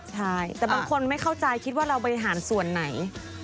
ใช่แต่บางคนไม่เข้าใจคิดว่าเราบริหารส่วนไหน